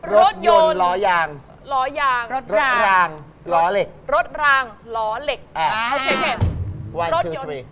รถยนต์ล้อยางรถรางล้อเหล็ก